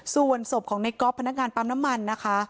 ส่วนศพของในก๊อฟพนักงานปั๊มน้ำมันนะคะ